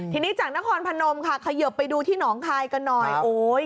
ทีนี้จากนครพนมค่ะเขยิบไปดูที่หนองคายกันหน่อยโอ้ย